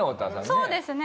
そうですね。